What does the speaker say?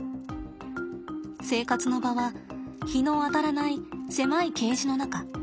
生活の場は日の当たらない狭いケージの中。